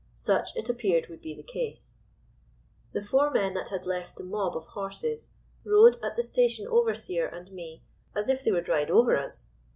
Such, it appeared, would be the case. "The four men that had left the mob of horses, rode at the station overseer and me as if they would ride over us.